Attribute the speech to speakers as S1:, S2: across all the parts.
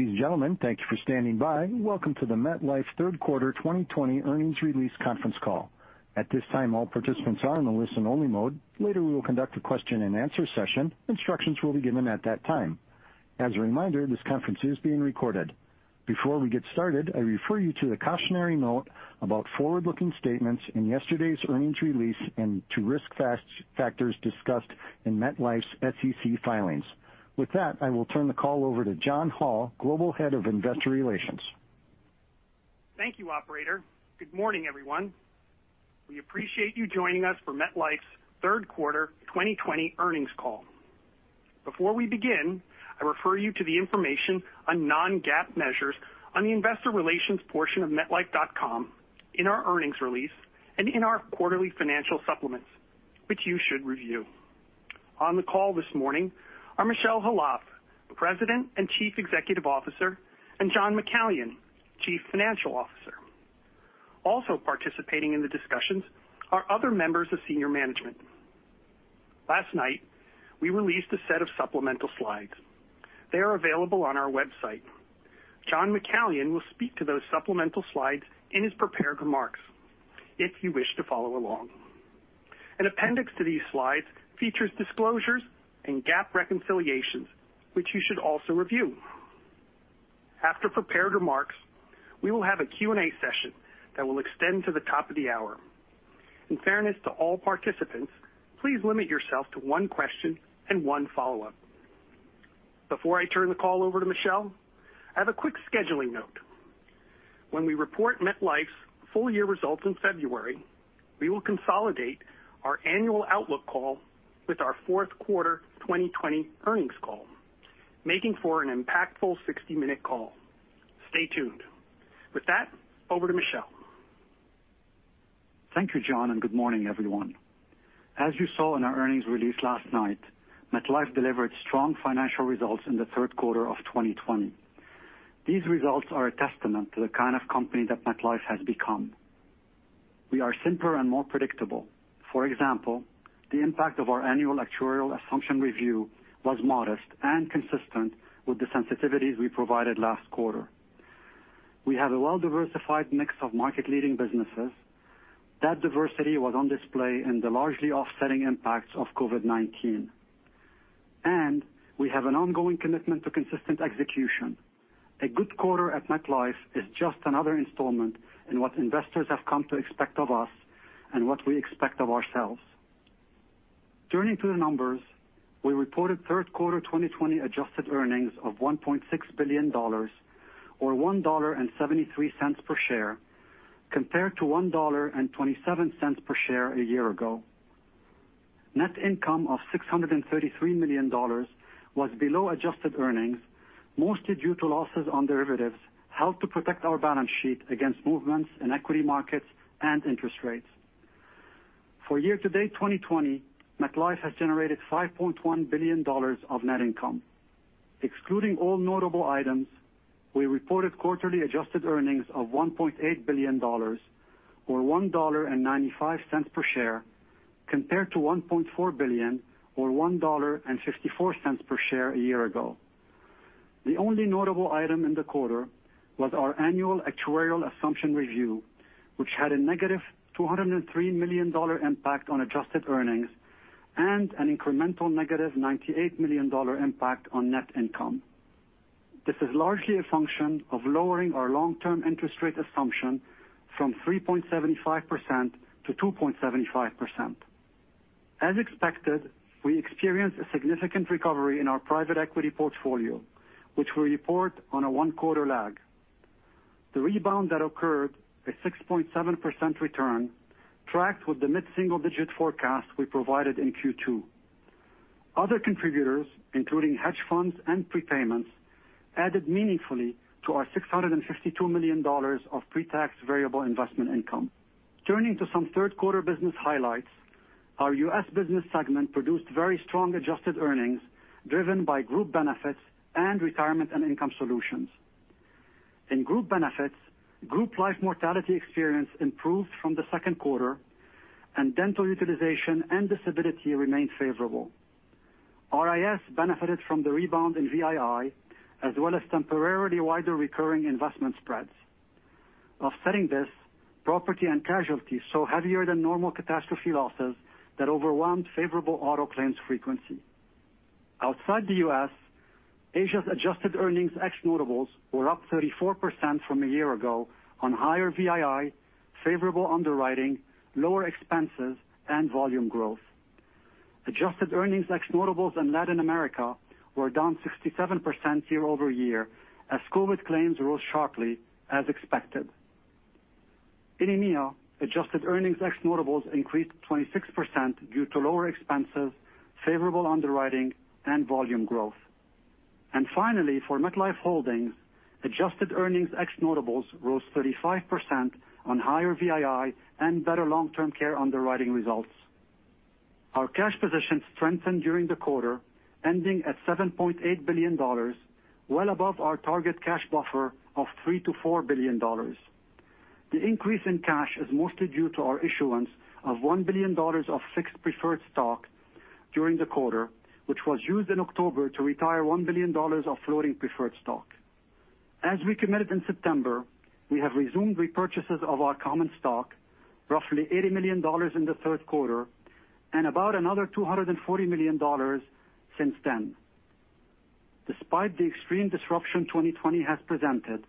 S1: Ladies and gentlemen, thank you for standing by. Welcome to the MetLife Third Quarter 2020 Earnings Release Conference Call. At this time, all participants are in the listen-only mode. Later, we will conduct a question-and-answer session. Instructions will be given at that time. As a reminder, this conference is being recorded. Before we get started, I refer you to the cautionary note about forward-looking statements in yesterday's earnings release and to risk factors discussed in MetLife's SEC filings. With that, I will turn the call over to John Hall, Global Head of Investor Relations.
S2: Thank you, Operator. Good morning, everyone. We appreciate you joining us for MetLife's Third Quarter 2020 Earnings Call. Before we begin, I refer you to the information on non-GAAP measures on the Investor Relations portion of MetLife.com in our earnings release and in our quarterly financial supplements, which you should review. On the call this morning are Michel Khalaf, President and Chief Executive Officer, and John McCallion, Chief Financial Officer. Also participating in the discussions are other members of senior management. Last night, we released a set of supplemental slides. They are available on our website. John McCallion will speak to those supplemental slides in his prepared remarks if you wish to follow along. An appendix to these slides features disclosures and GAAP reconciliations, which you should also review. After prepared remarks, we will have a Q&A session that will extend to the top of the hour. In fairness to all participants, please limit yourself to one question and one follow-up. Before I turn the call over to Michel, I have a quick scheduling note. When we report MetLife's full-year results in February, we will consolidate our annual outlook call with our Fourth Quarter 2020 Earnings Call, making for an impactful 60-minute call. Stay tuned. With that, over to Michel.
S3: Thank you, John, and good morning, everyone. As you saw in our earnings release last night, MetLife delivered strong financial results in the third quarter of 2020. These results are a testament to the kind of company that MetLife has become. We are simpler and more predictable. For example, the impact of our annual actuarial assumption review was modest and consistent with the sensitivities we provided last quarter. We have a well-diversified mix of market-leading businesses. That diversity was on display in the largely offsetting impacts of COVID-19. We have an ongoing commitment to consistent execution. A good quarter at MetLife is just another installment in what investors have come to expect of us and what we expect of ourselves. Turning to the numbers, we reported third quarter 2020 adjusted earnings of $1.6 billion, or $1.73 per share, compared to $1.27 per share a year ago. Net income of $633 million was below adjusted earnings, mostly due to losses on derivatives held to protect our balance sheet against movements in equity markets and interest rates. For year-to-date 2020, MetLife has generated $5.1 billion of net income. Excluding all notable items, we reported quarterly adjusted earnings of $1.8 billion, or $1.95 per share, compared to $1.4 billion, or $1.54 per share a year ago. The only notable item in the quarter was our annual actuarial assumption review, which had a negative $203 million impact on adjusted earnings and an incremental negative $98 million impact on net income. This is largely a function of lowering our long-term interest rate assumption from 3.75% to 2.75%. As expected, we experienced a significant recovery in our private equity portfolio, which we report on a one-quarter lag. The rebound that occurred, a 6.7% return, tracked with the mid-single-digit forecast we provided in Q2. Other contributors, including hedge funds and prepayments, added meaningfully to our $652 million of pre-tax variable investment income. Turning to some Third Quarter business highlights, our U.S. business segment produced very strong adjusted earnings driven by group benefits and retirement and income solutions. In group benefits, group life mortality experience improved from the second quarter, and dental utilization and disability remained favorable. RIS benefited from the rebound in VII, as well as temporarily wider recurring investment spreads. Offsetting this, property and casualties saw heavier-than-normal catastrophe losses that overwhelmed favorable auto claims frequency. Outside the U.S., Asia's adjusted earnings ex-notables were up 34% from a year ago on higher VII, favorable underwriting, lower expenses, and volume growth. Adjusted earnings ex-notables in Latin America were down 67% year-over-year as COVID claims rose sharply, as expected. In EMEA, adjusted earnings ex-notables increased 26% due to lower expenses, favorable underwriting, and volume growth. Finally, for MetLife Holdings, adjusted earnings ex-notables rose 35% on higher VII and better long-term care underwriting results. Our cash positions strengthened during the quarter, ending at $7.8 billion, well above our target cash buffer of $3-$4 billion. The increase in cash is mostly due to our issuance of $1 billion of fixed preferred stock during the quarter, which was used in October to retire $1 billion of floating preferred stock. As we committed in September, we have resumed repurchases of our common stock, roughly $80 million in the third quarter, and about another $240 million since then. Despite the extreme disruption 2020 has presented,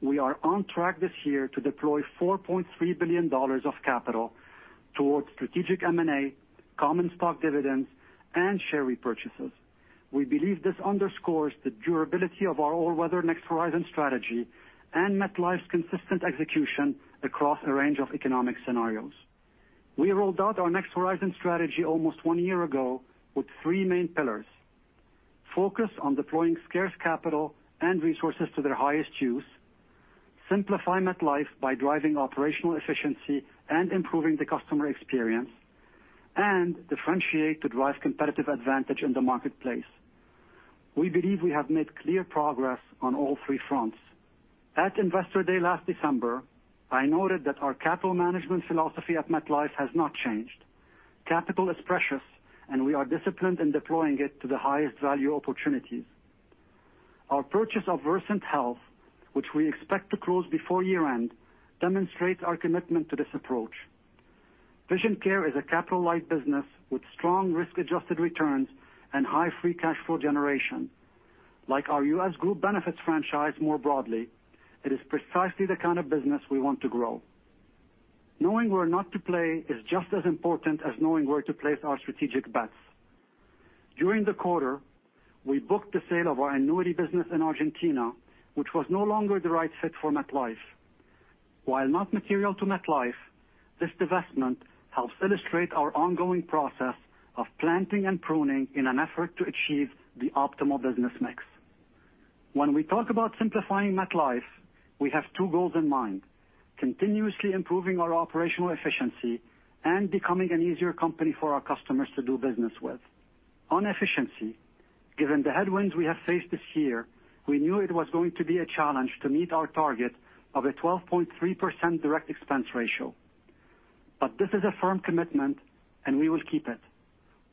S3: we are on track this year to deploy $4.3 billion of capital towards strategic M&A, common stock dividends, and share repurchases. We believe this underscores the durability of our all-weather next horizon strategy and MetLife's consistent execution across a range of economic scenarios. We rolled out our next horizon strategy almost one year ago with three main pillars: focus on deploying scarce capital and resources to their highest use, simplify MetLife by driving operational efficiency and improving the customer experience, and differentiate to drive competitive advantage in the marketplace. We believe we have made clear progress on all three fronts. At Investor Day last December, I noted that our capital management philosophy at MetLife has not changed. Capital is precious, and we are disciplined in deploying it to the highest value opportunities. Our purchase of Versant Health, which we expect to close before year-end, demonstrates our commitment to this approach. VisionCare is a capital-light business with strong risk-adjusted returns and high free cash flow generation. Like our U.S. Group benefits franchise more broadly, it is precisely the kind of business we want to grow. Knowing where not to play is just as important as knowing where to place our strategic bets. During the quarter, we booked the sale of our annuity business in Argentina, which was no longer the right fit for MetLife. While not material to MetLife, this divestment helps illustrate our ongoing process of planting and pruning in an effort to achieve the optimal business mix. When we talk about simplifying MetLife, we have two goals in mind: continuously improving our operational efficiency and becoming an easier company for our customers to do business with. On efficiency, given the headwinds we have faced this year, we knew it was going to be a challenge to meet our target of a 12.3% direct expense ratio. This is a firm commitment, and we will keep it.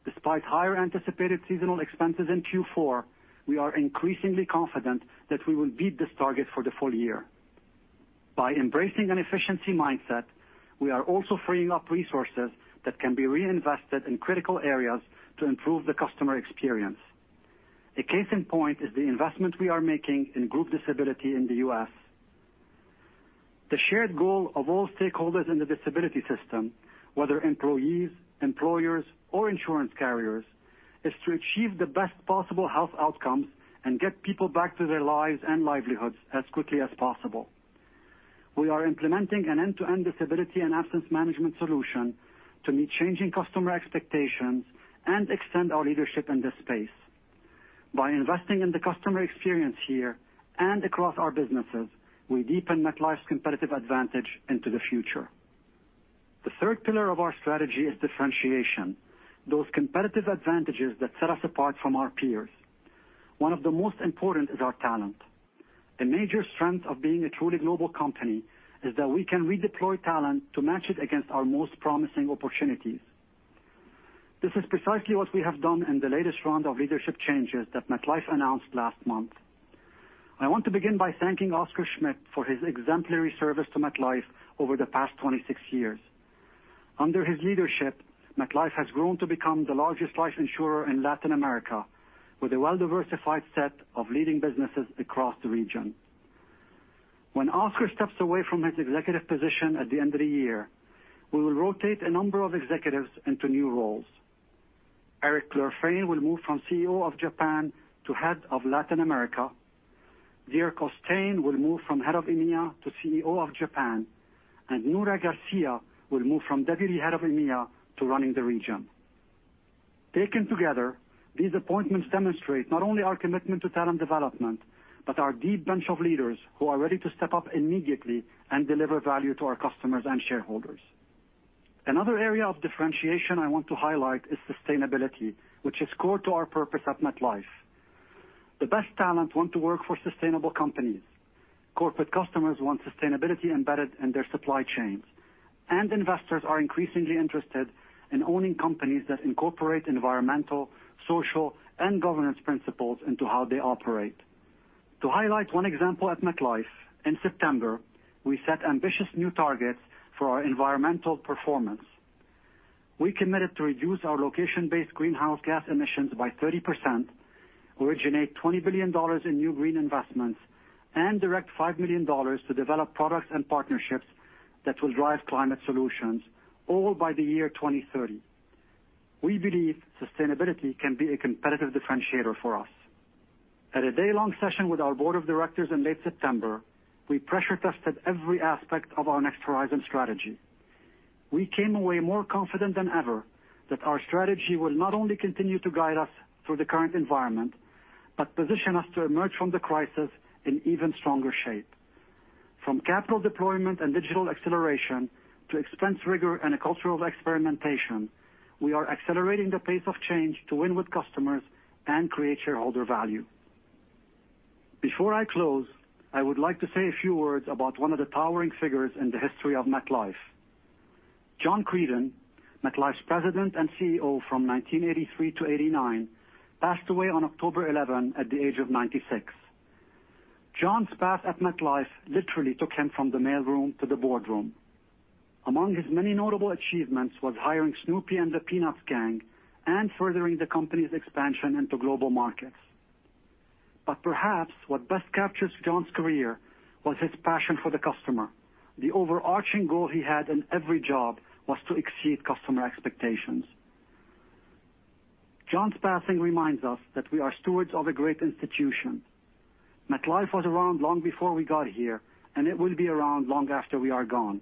S3: Despite higher anticipated seasonal expenses in Q4, we are increasingly confident that we will beat this target for the full year. By embracing an efficiency mindset, we are also freeing up resources that can be reinvested in critical areas to improve the customer experience. A case in point is the investment we are making in group disability in the U.S. The shared goal of all stakeholders in the disability system, whether employees, employers, or insurance carriers, is to achieve the best possible health outcomes and get people back to their lives and livelihoods as quickly as possible. We are implementing an end-to-end disability and absence management solution to meet changing customer expectations and extend our leadership in this space. By investing in the customer experience here and across our businesses, we deepen MetLife's competitive advantage into the future. The third pillar of our strategy is differentiation: those competitive advantages that set us apart from our peers. One of the most important is our talent. A major strength of being a truly global company is that we can redeploy talent to match it against our most promising opportunities. This is precisely what we have done in the latest round of leadership changes that MetLife announced last month. I want to begin by thanking Oscar Schmidt for his exemplary service to MetLife over the past 26 years. Under his leadership, MetLife has grown to become the largest life insurer in Latin America, with a well-diversified set of leading businesses across the region. When Oscar steps away from his executive position at the end of the year, we will rotate a number of executives into new roles. Eric Klorfain will move from CEO of Japan to Head of Latin America. Dier Costain will move from Head of EMEA to CEO of Japan. Nura Garcia will move from Deputy Head of EMEA to running the region. Taken together, these appointments demonstrate not only our commitment to talent development but our deep bench of leaders who are ready to step up immediately and deliver value to our customers and shareholders. Another area of differentiation I want to highlight is sustainability, which is core to our purpose at MetLife. The best talent want to work for sustainable companies. Corporate customers want sustainability embedded in their supply chains. Investors are increasingly interested in owning companies that incorporate environmental, social, and governance principles into how they operate. To highlight one example at MetLife, in September, we set ambitious new targets for our environmental performance. We committed to reduce our location-based greenhouse gas emissions by 30%, originate $20 billion in new green investments, and direct $5 million to develop products and partnerships that will drive climate solutions, all by the year 2030. We believe sustainability can be a competitive differentiator for us. At a day-long session with our board of directors in late September, we pressure-tested every aspect of our next horizon strategy. We came away more confident than ever that our strategy will not only continue to guide us through the current environment but position us to emerge from the crisis in even stronger shape. From capital deployment and digital acceleration to expense rigor and a cultural experimentation, we are accelerating the pace of change to win with customers and create shareholder value. Before I close, I would like to say a few words about one of the towering figures in the history of MetLife. John Creeden, MetLife's President and CEO from 1983 to 1989, passed away on October 11 at the age of 96. John's path at MetLife literally took him from the mailroom to the boardroom. Among his many notable achievements was hiring Snoopy and the Peanuts Gang and furthering the company's expansion into global markets. Perhaps what best captures John's career was his passion for the customer. The overarching goal he had in every job was to exceed customer expectations. John's passing reminds us that we are stewards of a great institution. MetLife was around long before we got here, and it will be around long after we are gone.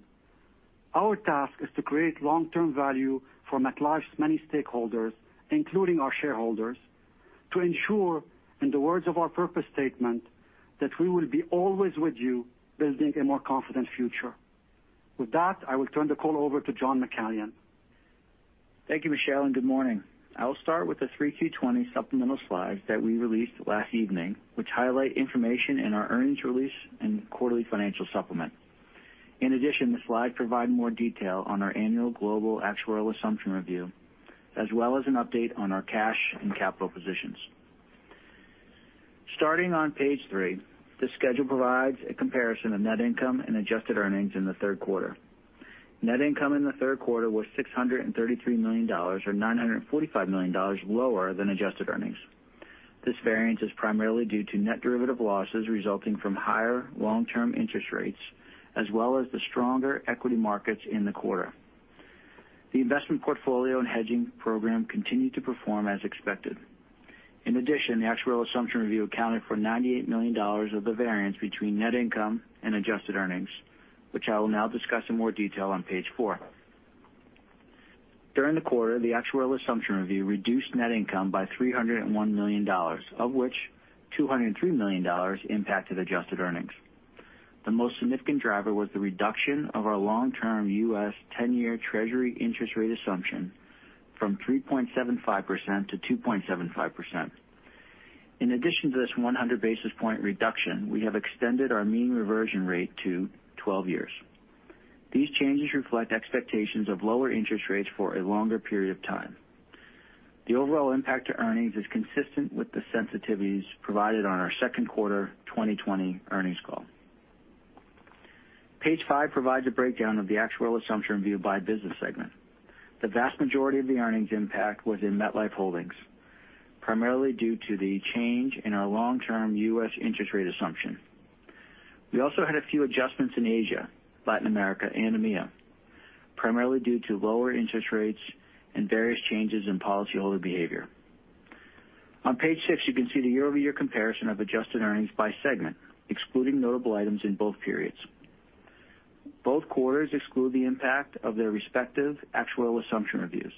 S3: Our task is to create long-term value for MetLife's many stakeholders, including our shareholders, to ensure, in the words of our purpose statement, that we will be always with you building a more confident future. With that, I will turn the call over to John McCallion.
S4: Thank you, Michel, and good morning. I'll start with the three Q3 2020 supplemental slides that we released last evening, which highlight information in our earnings release and quarterly financial supplement. In addition, the slides provide more detail on our annual global actuarial assumption review, as well as an update on our cash and capital positions. Starting on page three, this schedule provides a comparison of net income and adjusted earnings in the third quarter. Net income in the third quarter was $633 million or $945 million lower than adjusted earnings. This variance is primarily due to net derivative losses resulting from higher long-term interest rates, as well as the stronger equity markets in the quarter. The investment portfolio and hedging program continued to perform as expected. In addition, the actuarial assumption review accounted for $98 million of the variance between net income and adjusted earnings, which I will now discuss in more detail on page four. During the quarter, the actuarial assumption review reduced net income by $301 million, of which $203 million impacted adjusted earnings. The most significant driver was the reduction of our long-term U.S. 10-year Treasury interest rate assumption from 3.75% to 2.75%. In addition to this 100 basis point reduction, we have extended our mean reversion rate to 12 years. These changes reflect expectations of lower interest rates for a longer period of time. The overall impact to earnings is consistent with the sensitivities provided on our second quarter 2020 earnings call. Page five provides a breakdown of the actual assumption review by business segment. The vast majority of the earnings impact was in MetLife Holdings, primarily due to the change in our long-term U.S. interest rate assumption. We also had a few adjustments in Asia, Latin America, and EMEA, primarily due to lower interest rates and various changes in policyholder behavior. On page six, you can see the year-over-year comparison of adjusted earnings by segment, excluding notable items in both periods. Both quarters exclude the impact of their respective actual assumption reviews.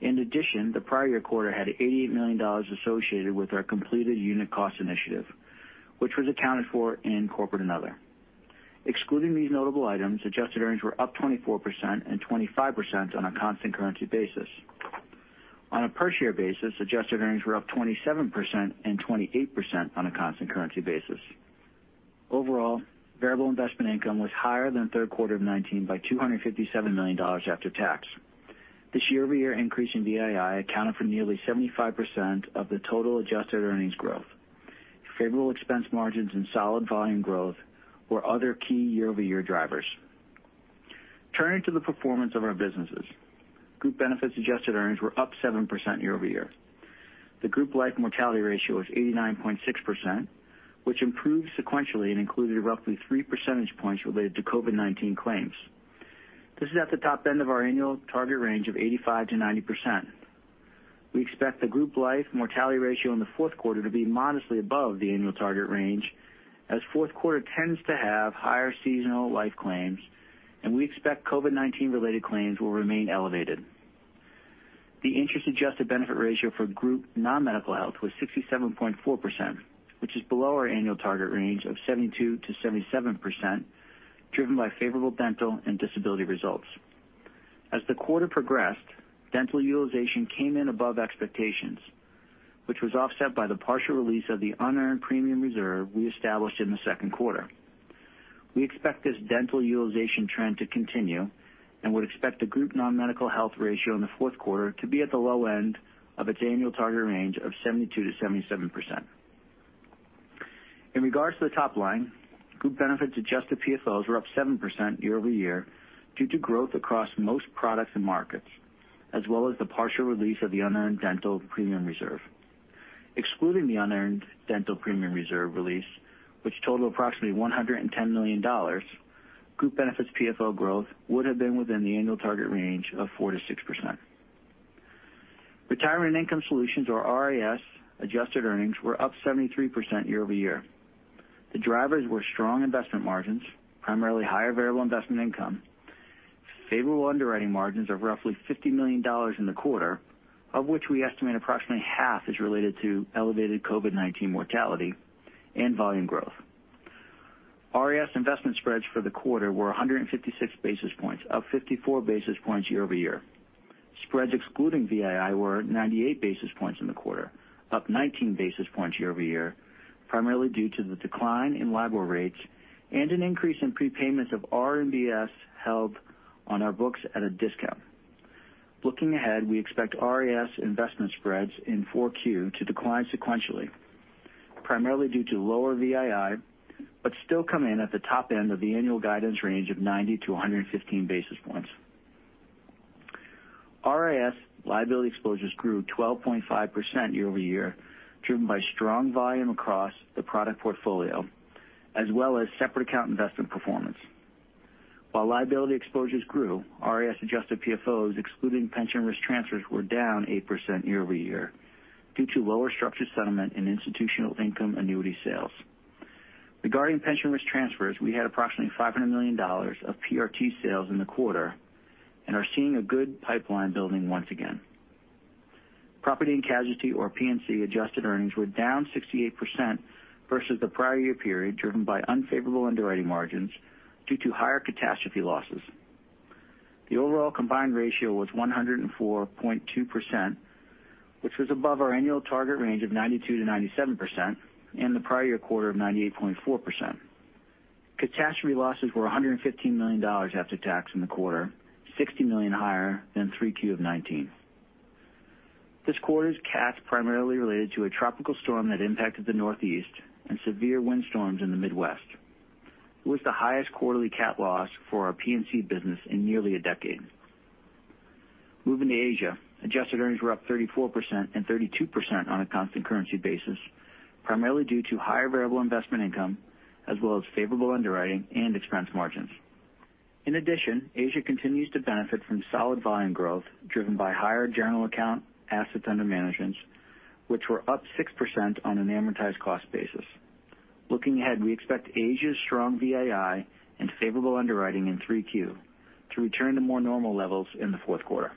S4: In addition, the prior year quarter had $88 million associated with our completed unit cost initiative, which was accounted for in corporate another. Excluding these notable items, adjusted earnings were up 24% and 25% on a constant currency basis. On a per-share basis, adjusted earnings were up 27% and 28% on a constant currency basis. Overall, variable investment income was higher than third quarter of 2019 by $257 million after tax. This year-over-year increase in VII accounted for nearly 75% of the total adjusted earnings growth. Favorable expense margins and solid volume growth were other key year-over-year drivers. Turning to the performance of our businesses, group benefits adjusted earnings were up 7% year-over-year. The group life mortality ratio was 89.6%, which improved sequentially and included roughly 3 percentage points related to COVID-19 claims. This is at the top end of our annual target range of 85-90%. We expect the group life mortality ratio in the fourth quarter to be modestly above the annual target range, as fourth quarter tends to have higher seasonal life claims, and we expect COVID-19-related claims will remain elevated. The interest-adjusted benefit ratio for group non-medical health was 67.4%, which is below our annual target range of 72-77%, driven by favorable dental and disability results. As the quarter progressed, dental utilization came in above expectations, which was offset by the partial release of the unearned premium reserve we established in the second quarter. We expect this dental utilization trend to continue and would expect the group non-medical health ratio in the fourth quarter to be at the low end of its annual target range of 72-77%. In regards to the top line, group benefits adjusted PFOs were up 7% year-over-year due to growth across most products and markets, as well as the partial release of the unearned dental premium reserve. Excluding the unearned dental premium reserve release, which totaled approximately $110 million, group benefits PFO growth would have been within the annual target range of 4-6%. Retirement income solutions, or RIS adjusted earnings, were up 73% year-over-year. The drivers were strong investment margins, primarily higher variable investment income, favorable underwriting margins of roughly $50 million in the quarter, of which we estimate approximately half is related to elevated COVID-19 mortality and volume growth. RIS investment spreads for the quarter were 156 basis points, up 54 basis points year-over-year. Spreads excluding VII were 98 basis points in the quarter, up 19 basis points year-over-year, primarily due to the decline in Libor rates and an increase in prepayments of RMBS held on our books at a discount. Looking ahead, we expect RIS investment spreads in Q4 to decline sequentially, primarily due to lower VII, but still come in at the top end of the annual guidance range of 90-115 basis points. RIS liability exposures grew 12.5% year-over-year, driven by strong volume across the product portfolio, as well as separate account investment performance. While liability exposures grew, RIS adjusted PFOs excluding pension risk transfers were down 8% year-over-year due to lower structured settlement and institutional income annuity sales. Regarding pension risk transfers, we had approximately $500 million of PRT sales in the quarter and are seeing a good pipeline building once again. Property and casualty, or P&C, adjusted earnings were down 68% versus the prior year period, driven by unfavorable underwriting margins due to higher catastrophe losses. The overall combined ratio was 104.2%, which was above our annual target range of 92-97% and the prior year quarter of 98.4%. Catastrophe losses were $115 million after tax in the quarter, $60 million higher than three Q of 2019. This quarter's CATs primarily related to a tropical storm that impacted the Northeast and severe windstorms in the Midwest. It was the highest quarterly CAT loss for our P&C business in nearly a decade. Moving to Asia, adjusted earnings were up 34% and 32% on a constant currency basis, primarily due to higher variable investment income, as well as favorable underwriting and expense margins. In addition, Asia continues to benefit from solid volume growth driven by higher general account assets under management, which were up 6% on an amortized cost basis. Looking ahead, we expect Asia's strong VII and favorable underwriting in three Q to return to more normal levels in the fourth quarter.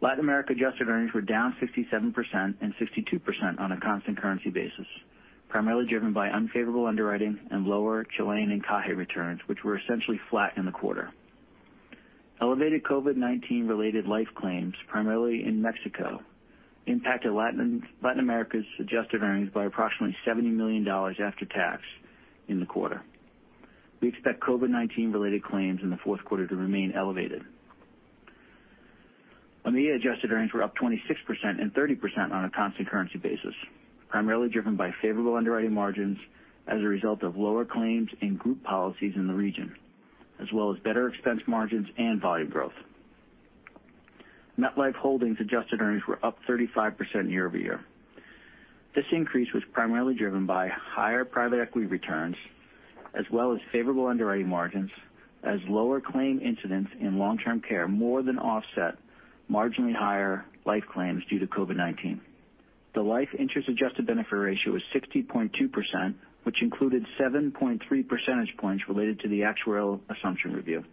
S4: Latin America adjusted earnings were down 67% and 62% on a constant currency basis, primarily driven by unfavorable underwriting and lower Chilean and Cajay returns, which were essentially flat in the quarter. Elevated COVID-19-related life claims, primarily in Mexico, impacted Latin America's adjusted earnings by approximately $70 million after tax in the quarter. We expect COVID-19-related claims in the fourth quarter to remain elevated. EMEA adjusted earnings were up 26% and 30% on a constant currency basis, primarily driven by favorable underwriting margins as a result of lower claims and group policies in the region, as well as better expense margins and volume growth. MetLife Holdings adjusted earnings were up 35% year-over-year. This increase was primarily driven by higher private equity returns, as well as favorable underwriting margins, as lower claim incidents in long-term care more than offset marginally higher life claims due to COVID-19. The life interest-adjusted benefit ratio was 60.2%, which included 7.3 percentage points related to the actuarial assumption review.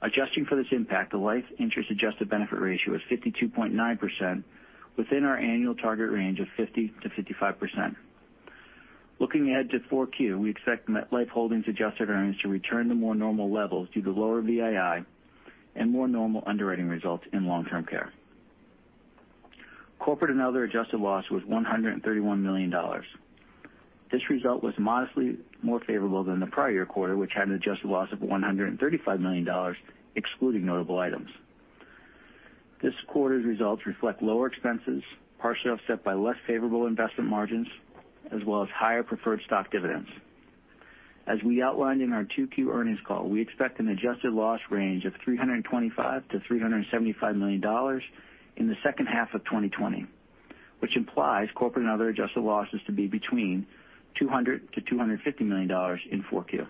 S4: Adjusting for this impact, the life interest-adjusted benefit ratio was 52.9%, within our annual target range of 50-55%. Looking ahead to Q4, we expect MetLife Holdings adjusted earnings to return to more normal levels due to lower VII and more normal underwriting results in long-term care. Corporate and other adjusted loss was $131 million. This result was modestly more favorable than the prior year quarter, which had an adjusted loss of $135 million, excluding notable items. This quarter's results reflect lower expenses, partially offset by less favorable investment margins, as well as higher preferred stock dividends. As we outlined in our 2Q earnings call, we expect an adjusted loss range of $325 million-$375 million in the second half of 2020, which implies corporate and other adjusted losses to be between $200 million and $250 million in 4Q.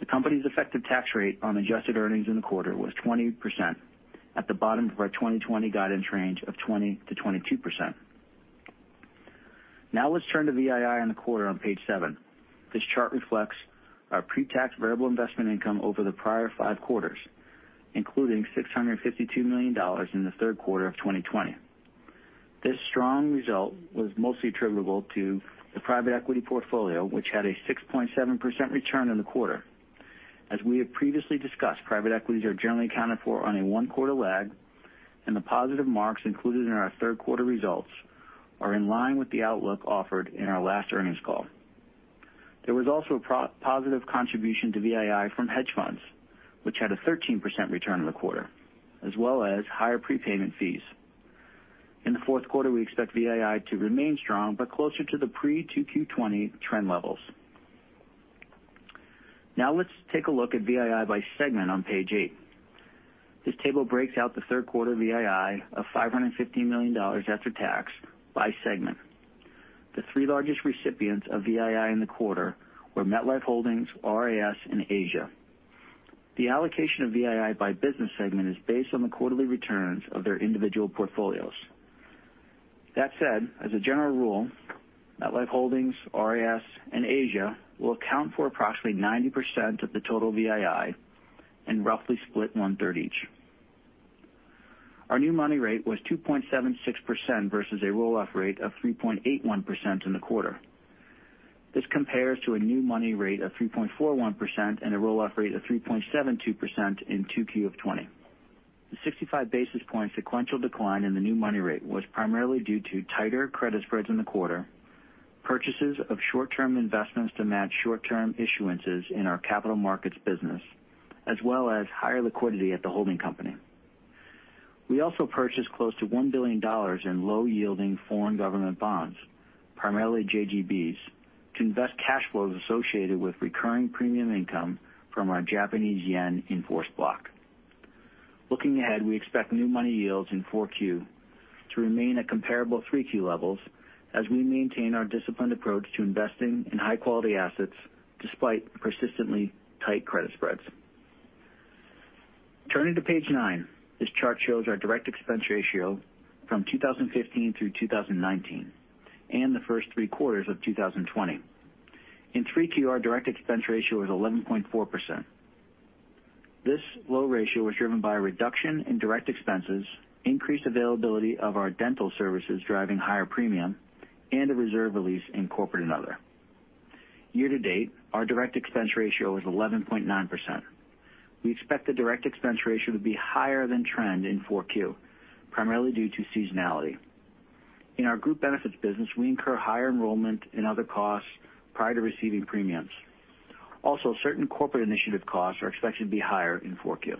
S4: The company's effective tax rate on adjusted earnings in the quarter was 20%, at the bottom of our 2020 guidance range of 20%-22%. Now let's turn to VII in the quarter on page seven. This chart reflects our pre-tax variable investment income over the prior five quarters, including $652 million in the third quarter of 2020. This strong result was mostly attributable to the private equity portfolio, which had a 6.7% return in the quarter. As we have previously discussed, private equities are generally accounted for on a one-quarter lag, and the positive marks included in our third quarter results are in line with the outlook offered in our last earnings call. There was also a positive contribution to VII from hedge funds, which had a 13% return in the quarter, as well as higher prepayment fees. In the fourth quarter, we expect VII to remain strong but closer to the pre-2Q20 trend levels. Now let's take a look at VII by segment on page eight. This table breaks out the third quarter VII of $515 million after tax by segment. The three largest recipients of VII in the quarter were MetLife Holdings, RIS, and Asia. The allocation of VII by business segment is based on the quarterly returns of their individual portfolios. That said, as a general rule, MetLife Holdings, RIS, and Asia will account for approximately 90% of the total VII and roughly split one-third each. Our new money rate was 2.76% versus a roll-off rate of 3.81% in the quarter. This compares to a new money rate of 3.41% and a roll-off rate of 3.72% in 2Q of 2020. The 65 basis point sequential decline in the new money rate was primarily due to tighter credit spreads in the quarter, purchases of short-term investments to match short-term issuances in our capital markets business, as well as higher liquidity at the holding company. We also purchased close to $1 billion in low-yielding foreign government bonds, primarily JGBs, to invest cash flows associated with recurring premium income from our Japanese yen enforced block. Looking ahead, we expect new money yields in four Q to remain at comparable three Q levels as we maintain our disciplined approach to investing in high-quality assets despite persistently tight credit spreads. Turning to page nine, this chart shows our direct expense ratio from 2015 through 2019 and the first three quarters of 2020. In three Q, our direct expense ratio was 11.4%. This low ratio was driven by a reduction in direct expenses, increased availability of our dental services driving higher premium, and a reserve release in corporate another. Year to date, our direct expense ratio was 11.9%. We expect the direct expense ratio to be higher than trend in four Q, primarily due to seasonality. In our group benefits business, we incur higher enrollment in other costs prior to receiving premiums. Also, certain corporate initiative costs are expected to be higher in four Q.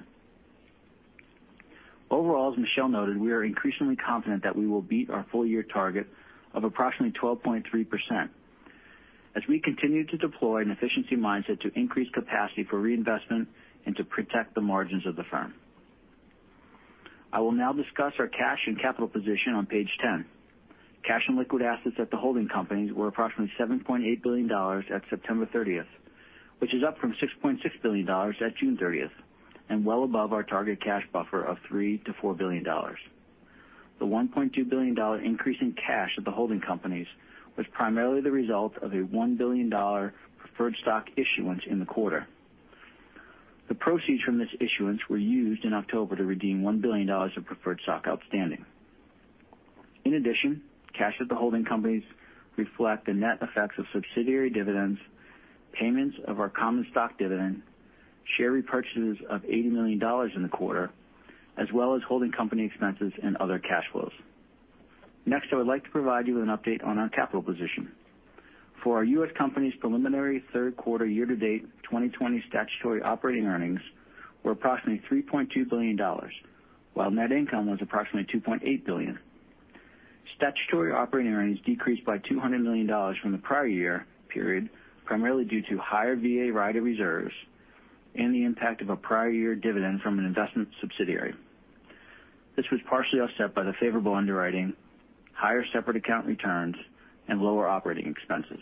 S4: Overall, as Michel noted, we are increasingly confident that we will beat our full-year target of approximately 12.3% as we continue to deploy an efficiency mindset to increase capacity for reinvestment and to protect the margins of the firm. I will now discuss our cash and capital position on page ten. Cash and liquid assets at the holding companies were approximately $7.8 billion at September 30th, which is up from $6.6 billion at June 30th and well above our target cash buffer of $3-$4 billion. The $1.2 billion increase in cash at the holding companies was primarily the result of a $1 billion preferred stock issuance in the quarter. The proceeds from this issuance were used in October to redeem $1 billion of preferred stock outstanding. In addition, cash at the holding companies reflect the net effects of subsidiary dividends, payments of our common stock dividend, share repurchases of $80 million in the quarter, as well as holding company expenses and other cash flows. Next, I would like to provide you with an update on our capital position. For our U.S. companies, preliminary third quarter year-to-date 2020 statutory operating earnings were approximately $3.2 billion, while net income was approximately $2.8 billion. Statutory operating earnings decreased by $200 million from the prior year period, primarily due to higher VA rider reserves and the impact of a prior year dividend from an investment subsidiary. This was partially offset by the favorable underwriting, higher separate account returns, and lower operating expenses.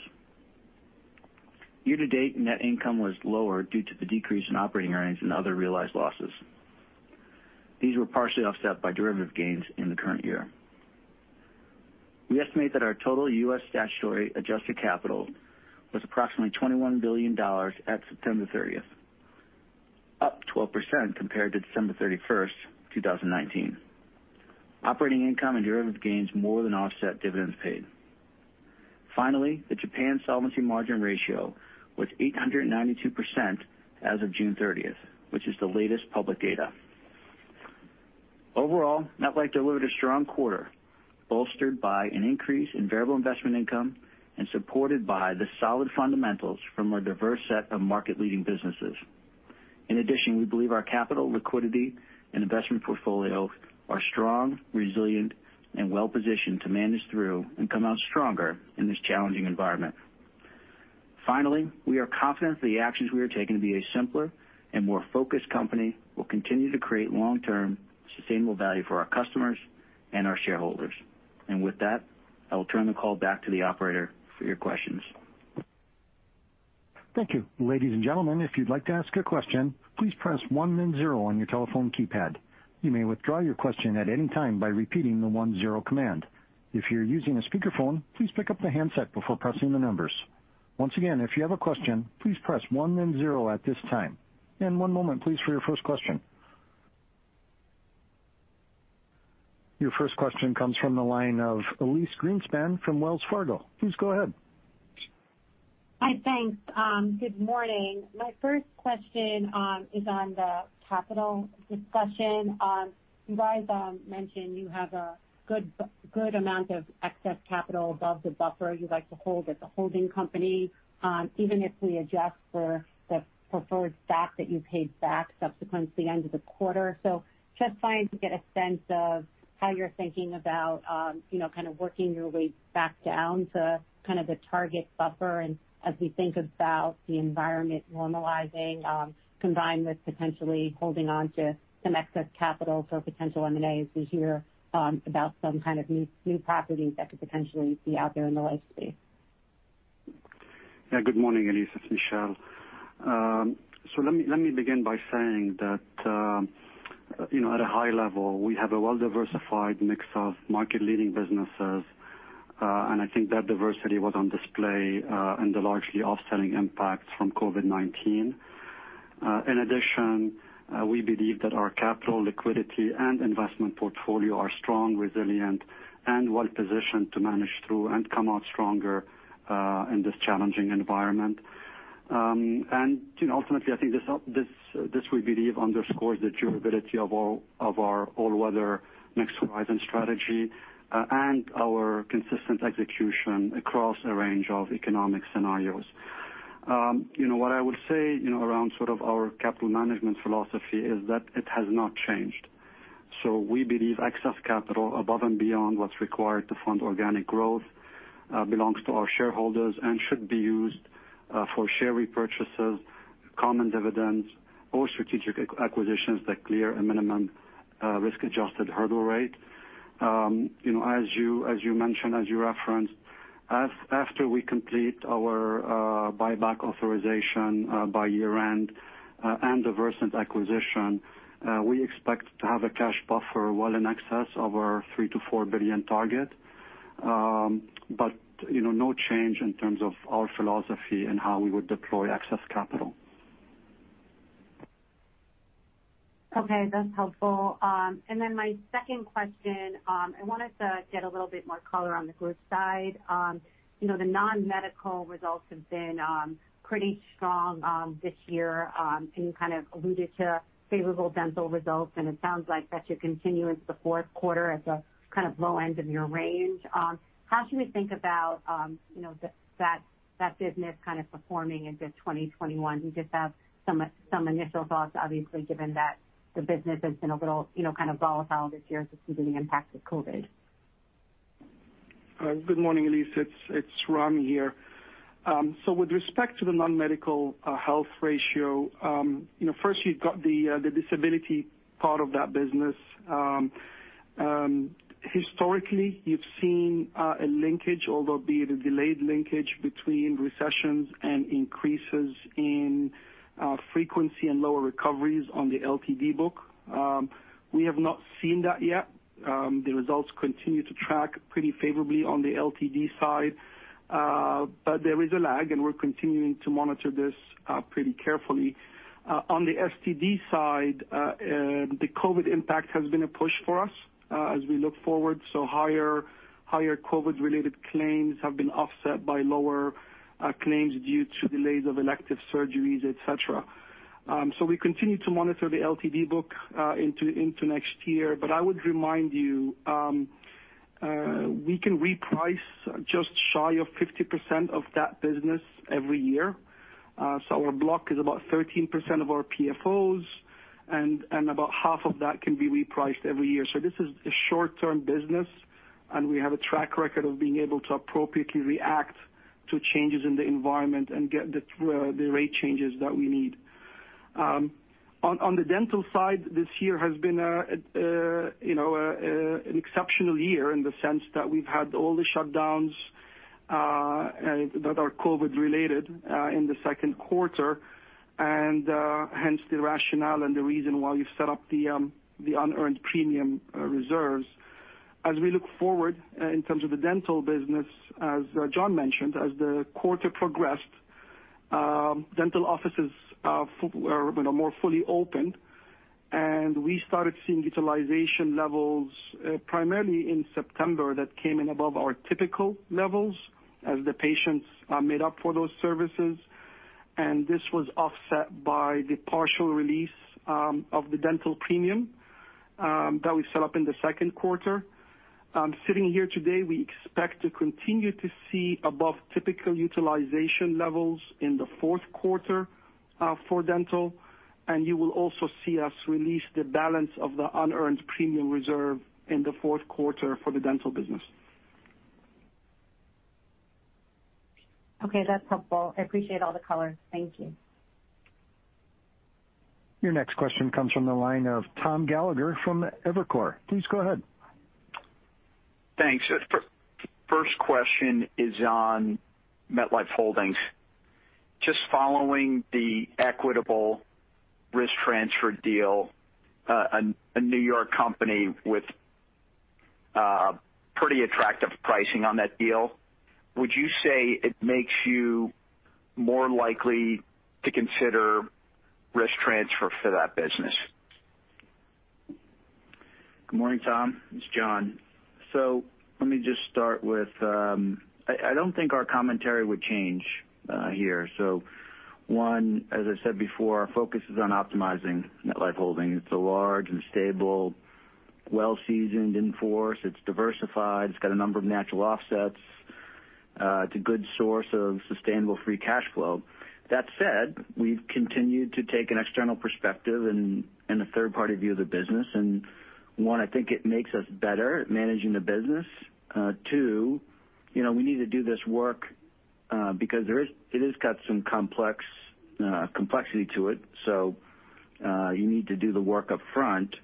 S4: Year-to-date net income was lower due to the decrease in operating earnings and other realized losses. These were partially offset by derivative gains in the current year. We estimate that our total U.S. statutory adjusted capital was approximately $21 billion at September 30th, up 12% compared to December 31st, 2019. Operating income and derivative gains more than offset dividends paid. Finally, the Japan solvency margin ratio was 892% as of June 30th, which is the latest public data. Overall, MetLife delivered a strong quarter, bolstered by an increase in variable investment income and supported by the solid fundamentals from our diverse set of market-leading businesses. In addition, we believe our capital, liquidity, and investment portfolio are strong, resilient, and well-positioned to manage through and come out stronger in this challenging environment. We are confident that the actions we are taking to be a simpler and more focused company will continue to create long-term sustainable value for our customers and our shareholders. With that, I will turn the call back to the operator for your questions.
S1: Thank you. Ladies and gentlemen, if you'd like to ask a question, please press one and 0 on your telephone keypad. You may withdraw your question at any time by repeating the one-0 command. If you're using a speakerphone, please pick up the handset before pressing the numbers. Once again, if you have a question, please press one and 0 at this time. One moment, please, for your first question. Your first question comes from the line of Elyse Greenspan from Wells Fargo. Please go ahead.
S5: Hi, thanks. Good morning. My first question is on the capital discussion. You guys mentioned you have a good amount of excess capital above the buffer you'd like to hold at the holding company, even if we adjust for the preferred stock that you paid back subsequent to the end of the quarter. Just trying to get a sense of how you're thinking about kind of working your way back down to kind of the target buffer as we think about the environment normalizing, combined with potentially holding on to some excess capital for potential M&As. We hear about some kind of new properties that could potentially be out there in the life space.
S3: Yeah, good morning, Elyse. It's Michel. Let me begin by saying that at a high level, we have a well-diversified mix of market-leading businesses, and I think that diversity was on display in the largely offsetting impact from COVID-19. In addition, we believe that our capital, liquidity, and investment portfolio are strong, resilient, and well-positioned to manage through and come out stronger in this challenging environment. Ultimately, I think this we believe underscores the durability of our all-weather next horizon strategy and our consistent execution across a range of economic scenarios. What I would say around sort of our capital management philosophy is that it has not changed. We believe excess capital above and beyond what's required to fund organic growth belongs to our shareholders and should be used for share repurchases, common dividends, or strategic acquisitions that clear a minimum risk-adjusted hurdle rate. As you mentioned, as you referenced, after we complete our buyback authorization by year-end and Versant acquisition, we expect to have a cash buffer well in excess of our $3-$4 billion target, but no change in terms of our philosophy and how we would deploy excess capital.
S5: Okay, that's helpful. My second question, I wanted to get a little bit more color on the group side. The non-medical results have been pretty strong this year, and you kind of alluded to favorable dental results, and it sounds like that you're continuing the fourth quarter at the kind of low end of your range. How should we think about that business kind of performing into 2021? We just have some initial thoughts, obviously, given that the business has been a little kind of volatile this year due to the impact of COVID.
S6: Good morning, Elyse. It's Ramy here. With respect to the non-medical health ratio, first, you've got the disability part of that business. Historically, you've seen a linkage, although it'd be a delayed linkage, between recessions and increases in frequency and lower recoveries on the LTD book. We have not seen that yet. The results continue to track pretty favorably on the LTD side, but there is a lag, and we're continuing to monitor this pretty carefully. On the STD side, the COVID impact has been a push for us as we look forward. Higher COVID-related claims have been offset by lower claims due to delays of elective surgeries, etc. We continue to monitor the LTD book into next year, but I would remind you we can reprice just shy of 50% of that business every year. Our block is about 13% of our PFOs, and about half of that can be repriced every year. This is a short-term business, and we have a track record of being able to appropriately react to changes in the environment and get the rate changes that we need. On the dental side, this year has been an exceptional year in the sense that we've had all the shutdowns that are COVID-related in the second quarter, and hence the rationale and the reason why we've set up the unearned premium reserves. As we look forward in terms of the dental business, as John mentioned, as the quarter progressed, dental offices were more fully open, and we started seeing utilization levels primarily in September that came in above our typical levels as the patients made up for those services. This was offset by the partial release of the dental premium that we set up in the second quarter. Sitting here today, we expect to continue to see above typical utilization levels in the fourth quarter for dental, and you will also see us release the balance of the unearned premium reserve in the fourth quarter for the dental business.
S5: Okay, that's helpful. I appreciate all the color. Thank you.
S1: Your next question comes from the line of Tom Gallagher from Evercore. Please go ahead.
S7: Thanks. First question is on MetLife Holdings. Just following the Equitable risk transfer deal, a New York company with pretty attractive pricing on that deal, would you say it makes you more likely to consider risk transfer for that business?
S4: Good morning, Tom. It's John. Let me just start with I don't think our commentary would change here. One, as I said before, our focus is on optimizing MetLife Holdings. It's a large and stable, well-seasoned enforce. It's diversified. It's got a number of natural offsets. It's a good source of sustainable free cash flow. That said, we've continued to take an external perspective and a third-party view of the business. One, I think it makes us better at managing the business. Two, we need to do this work because it has got some complexity to it, so you need to do the work upfront.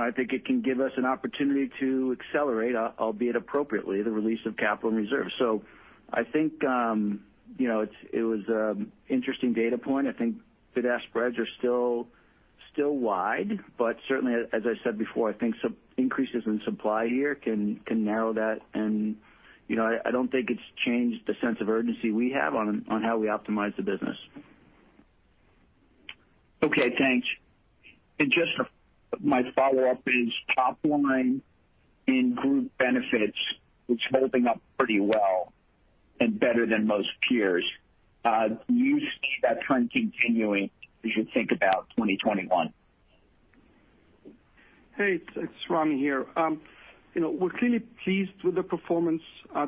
S4: I think it can give us an opportunity to accelerate, albeit appropriately, the release of capital and reserves. I think it was an interesting data point. I think bid-ask spreads are still wide, but certainly, as I said before, I think some increases in supply here can narrow that, and I do not think it has changed the sense of urgency we have on how we optimize the business.
S7: Okay, thanks. Just my follow-up is top line in group benefits, it's holding up pretty well and better than most peers. Do you see that trend continuing as you think about 2021?
S6: Hey, it's Ramy here. We're clearly pleased with the performance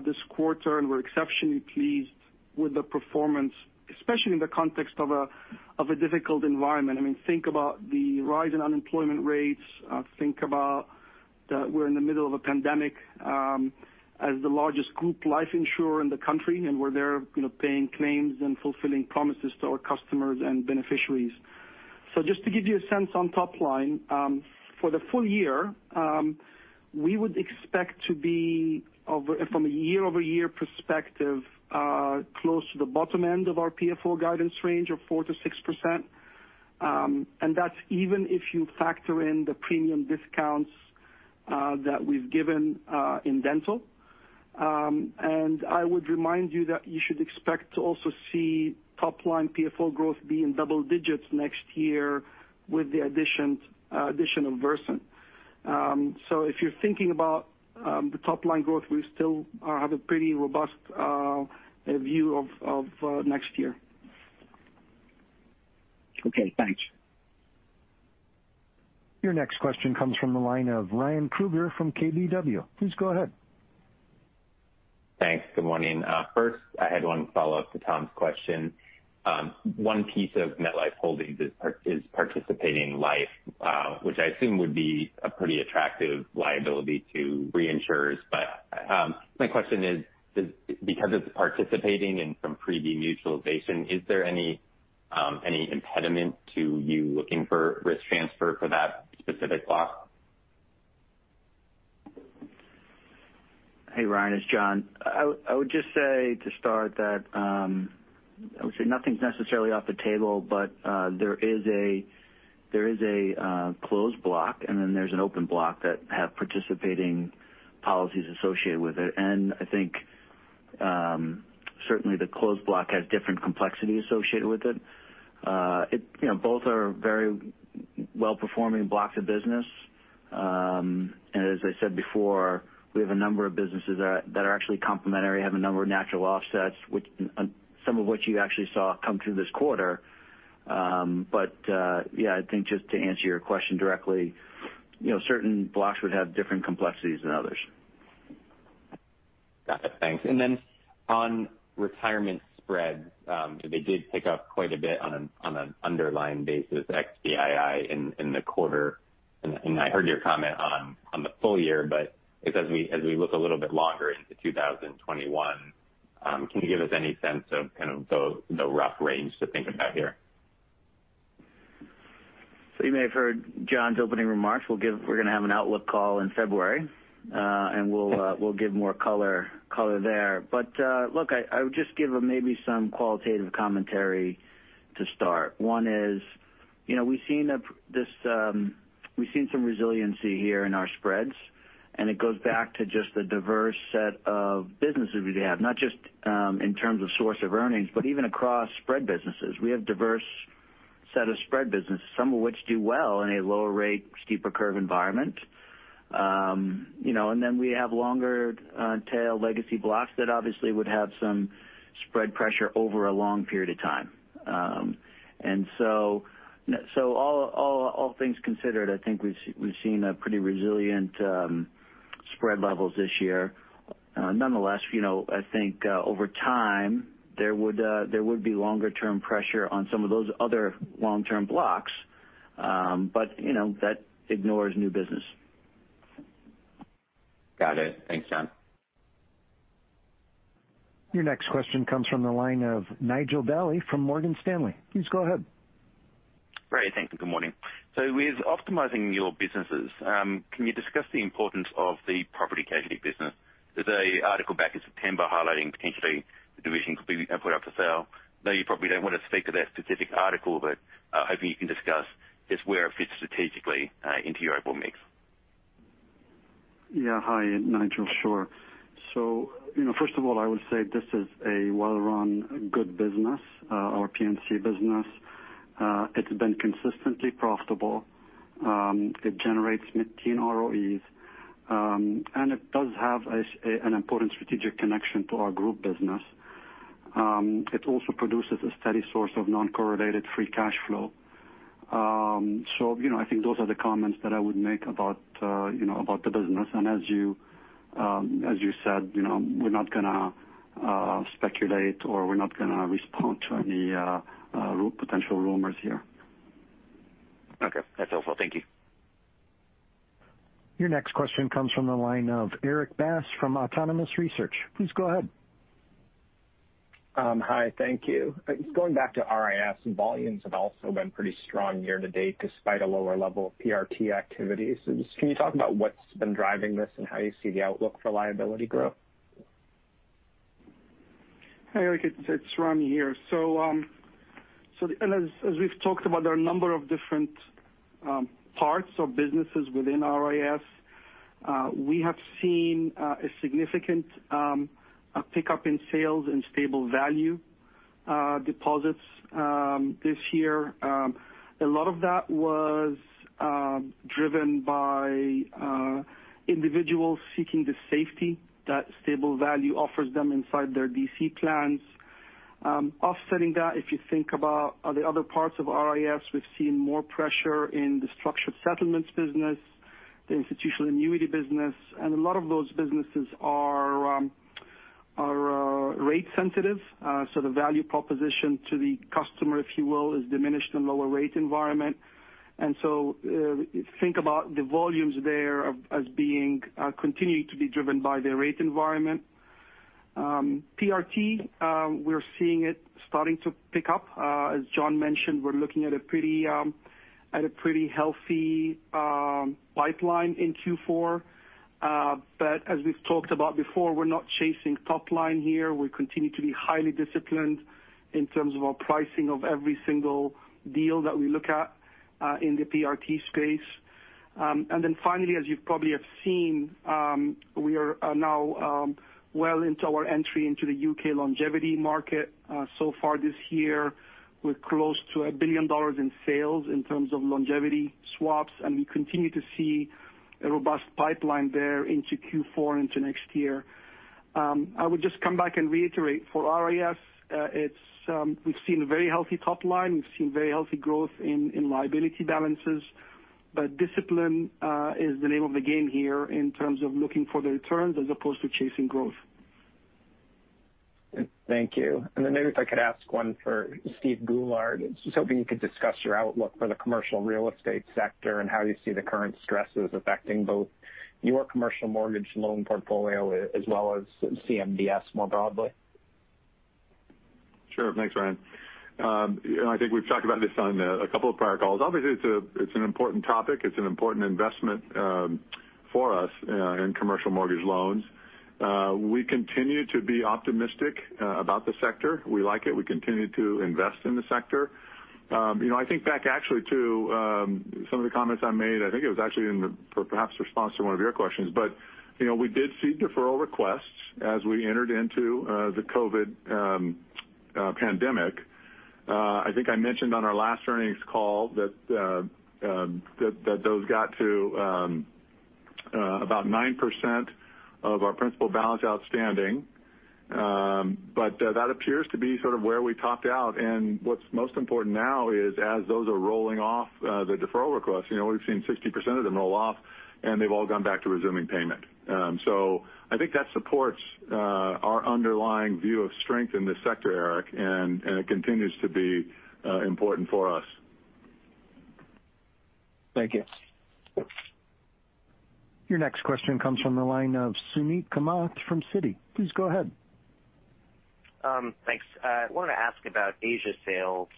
S6: this quarter, and we're exceptionally pleased with the performance, especially in the context of a difficult environment. I mean, think about the rise in unemployment rates. Think about that we're in the middle of a pandemic as the largest group life insurer in the country, and we're there paying claims and fulfilling promises to our customers and beneficiaries. Just to give you a sense on top line, for the full year, we would expect to be, from a year-over-year perspective, close to the bottom end of our PFO guidance range of 4-6%. That's even if you factor in the premium discounts that we've given in dental. I would remind you that you should expect to also see top line PFO growth be in double digits next year with the addition of Versant. If you're thinking about the top line growth, we still have a pretty robust view of next year.
S7: Okay, thanks.
S1: Your next question comes from the line of Ryan Krueger from KBW. Please go ahead.
S8: Thanks. Good morning. First, I had one follow-up to Tom's question. One piece of MetLife Holdings is participating in life, which I assume would be a pretty attractive liability to reinsurers. My question is, because it's participating in some preview mutualization, is there any impediment to you looking for risk transfer for that specific block?
S4: Hey, Ryan, it's John. I would just say to start that I would say nothing's necessarily off the table, but there is a closed block, and then there's an open block that have participating policies associated with it. I think certainly the closed block has different complexity associated with it. Both are very well-performing blocks of business. As I said before, we have a number of businesses that are actually complementary, have a number of natural offsets, some of which you actually saw come through this quarter. Yeah, I think just to answer your question directly, certain blocks would have different complexities than others.
S8: Got it. Thanks. On retirement spreads, they did pick up quite a bit on an underlying basis, XBII, in the quarter. I heard your comment on the full year, but as we look a little bit longer into 2021, can you give us any sense of kind of the rough range to think about here?
S4: You may have heard John's opening remarks. We're going to have an Outlook call in February, and we'll give more color there. I would just give maybe some qualitative commentary to start. One is we've seen some resiliency here in our spreads, and it goes back to just the diverse set of businesses we have, not just in terms of source of earnings, but even across spread businesses. We have a diverse set of spread businesses, some of which do well in a lower rate, steeper curve environment. Then we have longer tail legacy blocks that obviously would have some spread pressure over a long period of time. All things considered, I think we've seen pretty resilient spread levels this year. Nonetheless, I think over time, there would be longer-term pressure on some of those other long-term blocks, but that ignores new business.
S8: Got it. Thanks, John.
S1: Your next question comes from the line of Nigel Daly from Morgan Stanley. Please go ahead.
S9: Ray, thank you. Good morning. With optimizing your businesses, can you discuss the importance of the property casualty business? There is an article back in September highlighting potentially the division could be put up for sale. Though you probably do not want to speak to that specific article, hoping you can discuss just where it fits strategically into your overall mix.
S3: Yeah, hi, Nigel, sure. First of all, I would say this is a well-run good business, our P&C business. It's been consistently profitable. It generates 15 ROEs, and it does have an important strategic connection to our group business. It also produces a steady source of non-correlated free cash flow. I think those are the comments that I would make about the business. As you said, we're not going to speculate or we're not going to respond to any potential rumors here.
S9: Okay, that's helpful. Thank you.
S1: Your next question comes from the line of Eric Bass from Autonomous Research. Please go ahead.
S10: Hi, thank you. Going back to RIS, volumes have also been pretty strong year to date despite a lower level of PRT activity. Can you talk about what's been driving this and how you see the outlook for liability growth?
S6: Hey, Eric, it's Ramy here. As we've talked about, there are a number of different parts of businesses within RIS. We have seen a significant pickup in sales and stable value deposits this year. A lot of that was driven by individuals seeking the safety that stable value offers them inside their DC plans. Offsetting that, if you think about the other parts of RIS, we've seen more pressure in the structured settlements business, the institutional annuity business, and a lot of those businesses are rate sensitive. The value proposition to the customer, if you will, is diminished in a lower rate environment. Think about the volumes there as continuing to be driven by their rate environment. PRT, we're seeing it starting to pick up. As John mentioned, we're looking at a pretty healthy pipeline in Q4. As we have talked about before, we are not chasing top line here. We continue to be highly disciplined in terms of our pricing of every single deal that we look at in the PRT space. Finally, as you probably have seen, we are now well into our entry into the U.K. longevity market so far this year. We are close to $1 billion in sales in terms of longevity swaps, and we continue to see a robust pipeline there into Q4 and into next year. I would just come back and reiterate for RIS, we have seen a very healthy top line. We have seen very healthy growth in liability balances, but discipline is the name of the game here in terms of looking for the returns as opposed to chasing growth.
S10: Thank you. Maybe if I could ask one for Steve Goulart, just hoping you could discuss your outlook for the commercial real estate sector and how you see the current stresses affecting both your commercial mortgage loan portfolio as well as CMBS more broadly.
S6: Sure. Thanks, Ryan. I think we've talked about this on a couple of prior calls. Obviously, it's an important topic. It's an important investment for us in commercial mortgage loans. We continue to be optimistic about the sector. We like it. We continue to invest in the sector. I think back actually to some of the comments I made, I think it was actually in perhaps response to one of your questions, but we did see deferral requests as we entered into the COVID pandemic. I think I mentioned on our last earnings call that those got to about 9% of our principal balance outstanding, but that appears to be sort of where we topped out. What's most important now is as those are rolling off the deferral requests, we've seen 60% of them roll off, and they've all gone back to resuming payment. I think that supports our underlying view of strength in this sector, Eric, and it continues to be important for us.
S1: Thank you. Your next question comes from the line of Suruchi Kamath from CITI. Please go ahead.
S11: Thanks. I wanted to ask about Asia sales.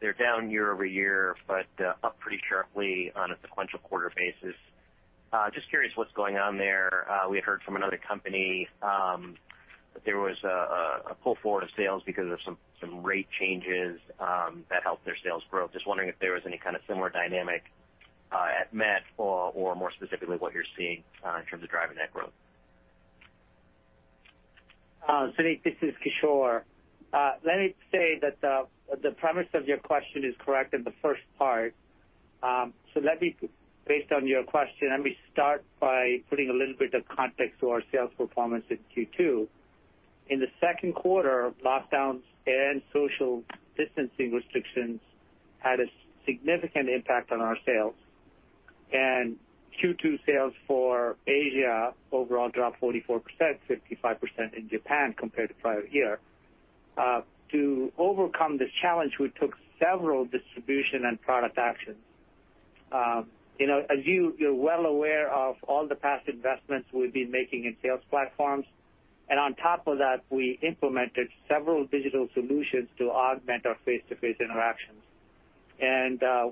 S11: They're down year over year, but up pretty sharply on a sequential quarter basis. Just curious what's going on there. We had heard from another company that there was a pull forward of sales because of some rate changes that helped their sales grow. Just wondering if there was any kind of similar dynamic at Met or more specifically what you're seeing in terms of driving that growth.
S12: Sunit, this is Kishore. Let me say that the premise of your question is correct in the first part. Based on your question, let me start by putting a little bit of context to our sales performance in Q2. In the second quarter, lockdowns and social distancing restrictions had a significant impact on our sales. Q2 sales for Asia overall dropped 44%, 55% in Japan compared to prior year. To overcome this challenge, we took several distribution and product actions. As you're well aware of all the past investments we've been making in sales platforms, and on top of that, we implemented several digital solutions to augment our face-to-face interactions.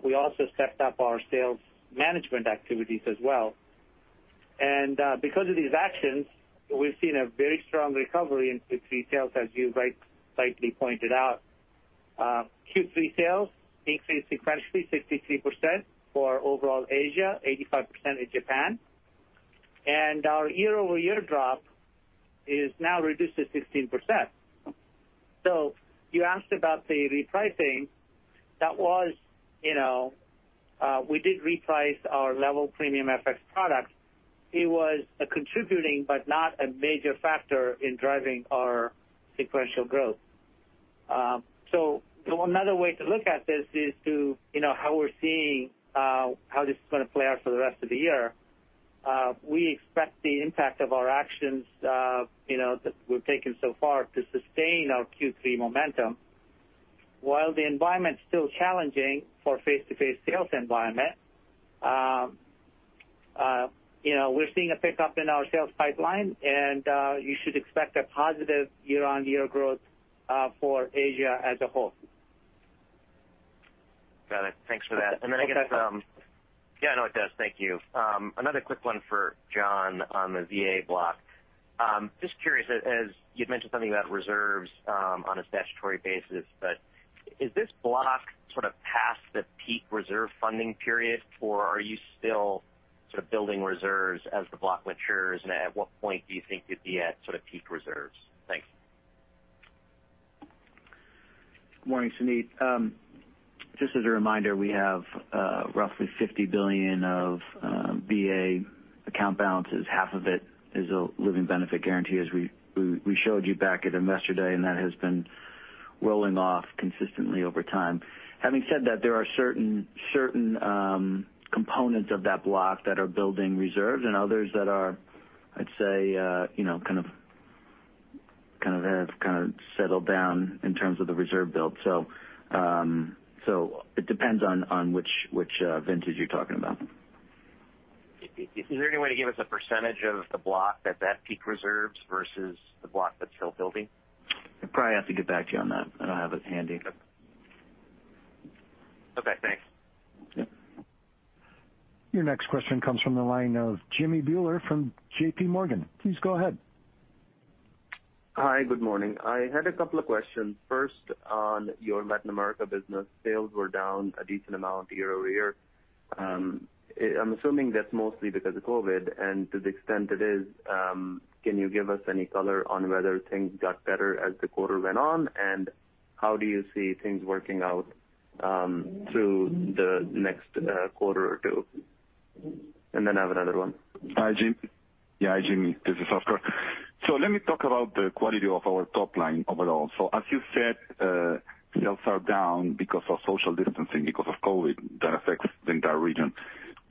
S12: We also stepped up our sales management activities as well. Because of these actions, we've seen a very strong recovery in Q3 sales, as you rightly pointed out. Q3 sales increased sequentially 63% for overall Asia, 85% in Japan. Our year-over-year drop is now reduced to 16%. You asked about the repricing. That was we did reprice our level premium FX product. It was a contributing, but not a major factor in driving our sequential growth. Another way to look at this is how we're seeing how this is going to play out for the rest of the year. We expect the impact of our actions that we've taken so far to sustain our Q3 momentum. While the environment's still challenging for face-to-face sales environment, we're seeing a pickup in our sales pipeline, and you should expect a positive year-on-year growth for Asia as a whole.
S11: Got it. Thanks for that. I guess.
S12: That's perfect.
S11: Yeah, I know it does. Thank you. Another quick one for John on the VA block. Just curious, as you'd mentioned something about reserves on a statutory basis, is this block sort of past the peak reserve funding period, or are you still sort of building reserves as the block matures? At what point do you think you'd be at sort of peak reserves? Thanks.
S4: Good morning, Suruchi. Just as a reminder, we have roughly $50 billion of VA account balances. Half of it is a living benefit guarantee, as we showed you back at investor day, and that has been rolling off consistently over time. Having said that, there are certain components of that block that are building reserves and others that are, I'd say, kind of have kind of settled down in terms of the reserve build. It depends on which vintage you're talking about.
S11: Is there any way to give us a percentage of the block that's at peak reserves versus the block that's still building?
S4: I probably have to get back to you on that. I don't have it handy.
S13: Okay. Thanks.
S1: Your next question comes from the line of Jimmy Bhullar from JP Morgan. Please go ahead.
S14: Hi, good morning. I had a couple of questions. First, on your Latin America business, sales were down a decent amount year over year. I'm assuming that's mostly because of COVID. To the extent it is, can you give us any color on whether things got better as the quarter went on? How do you see things working out through the next quarter or two? I have another one.
S15: Hi, Jimmy. Yeah, hi, Jimmy. This is Oscar. Let me talk about the quality of our top line overall. As you said, sales are down because of social distancing, because of COVID that affects the entire region.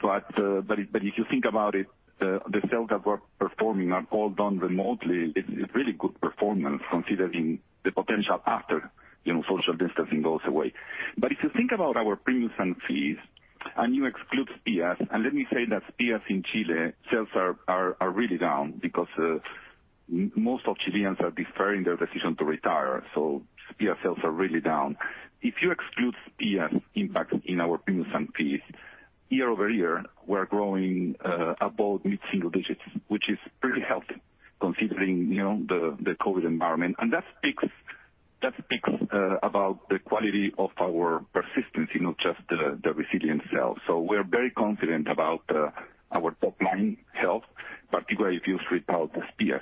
S15: If you think about it, the sales that were performing are all done remotely. It's really good performance considering the potential after social distancing goes away. If you think about our premiums and fees, and you exclude SPIAS, let me say that SPIAS in Chile, sales are really down because most of Chileans are deferring their decision to retire. SPIAS sales are really down. If you exclude SPIAS impact in our premiums and fees, year over year, we're growing above mid-single digits, which is pretty healthy considering the COVID environment. That speaks about the quality of our persistency, not just the resilient sales. We are very confident about our top line health, particularly if you sweep out the SPIAS,